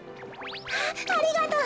あっありがとう！